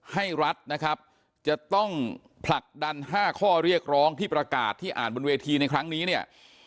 ให้รัฐนะครับจะต้องผลักดัน๕ข้อเรียกร้องที่ประกาศที่อ่านบนเวทีในครั้งนี้เนี่ย